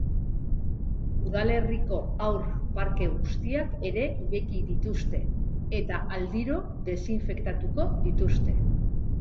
Udalerriko haur parke guztiak ere ireki dituzte, eta aldiro desinfektatuko dituzte.